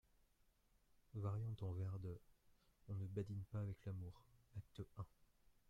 Variante en vers de : On ne badine pas avec l'amour, acte un.